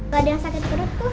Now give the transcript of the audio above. kalau ada yang sakit perut tuh